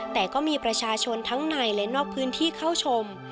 แต่ก็มีประชาชนทั้งในและนอกพื้นที่เข้าชม